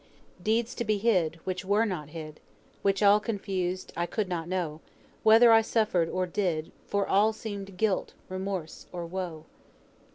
"Deeds to be hid which were not hid, Which, all confused, I could not know, Whether I suffered or I did, For all seemed guilt, remorse, or woe."